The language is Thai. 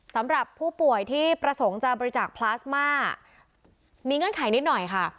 สำหรับผู้ป่วยที่ประสงค์จะบริจาคพลาสมามีเงื่อนไขนิดหน่อยค่ะ